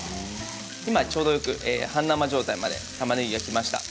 今ちょうどよく半生状態までたまねぎがきました。